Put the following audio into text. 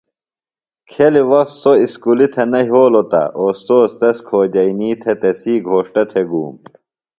کھیلیۡ وخت سوۡ اُسکُلیۡ تھےۡ نہ یھولوۡ تہ استوذ تس کھوجئینی تھےۡ تسی گھوݜٹہ تھےۡ گُوم۔